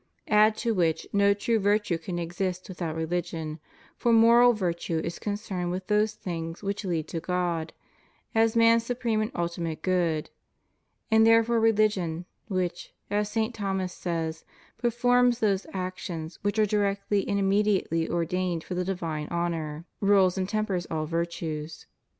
Add to which no true virtue can exist without religion, for moral virtue is concerned with those things which lead to God as man's supreme and ultimate good; and therefore religion, which (as St. Thomas says) "per forms those actions which are directly and immediately ordained for the divine honor,"* rules and tempers all virtues.